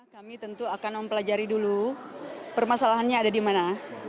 kami tentu akan mempelajari dulu permasalahannya ada di mana